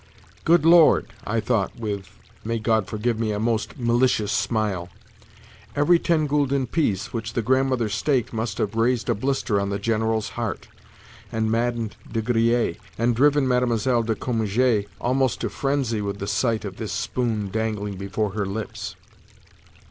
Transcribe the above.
"Good Lord!" I thought with, may God forgive me, a most malicious smile, "every ten gülden piece which the Grandmother staked must have raised a blister on the General's heart, and maddened De Griers, and driven Mlle. de Cominges almost to frenzy with the sight of this spoon dangling before her lips."